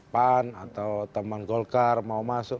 pan atau teman golkar mau masuk